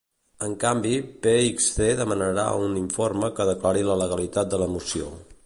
En canvi, PxC demanarà un informe que declari la legalitat de la moció.